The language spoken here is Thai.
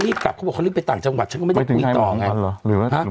รีบกลับเขาบอกเขารีบไปต่างจังหวัดฉันก็ไม่ได้คุยต่อไงหรือว่าหรือ